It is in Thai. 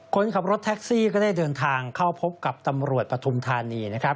คนขับรถแท็กซี่ก็ได้เดินทางเข้าพบกับตำรวจปฐุมธานีนะครับ